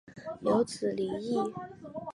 有子李撰。